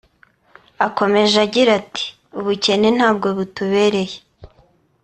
Akomeje agira ati ‘Ubukene ntabwo butubereye